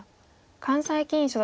関西棋院所属。